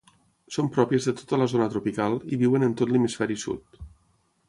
Són pròpies de tota la zona tropical, i viuen en tot l'hemisferi sud.